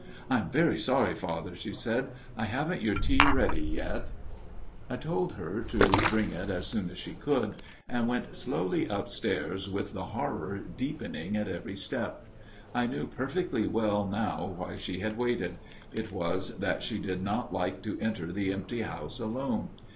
4 1 am very sorry, Father,' she said, " I haven't your tea ready yet." 124 A MIRROR OF SHALOTT " I told her to bring it as soon as she could, and went slowly upstairs with the horror deepening at every step. I knew perfectly well now why she had waited : it was that she did not like to enter the empty house alone.